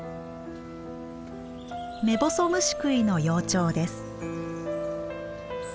メボソムシクイの幼鳥です。